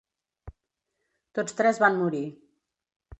Tots tres van morir.